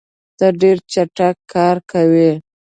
ته ډېر چټک کار کوې.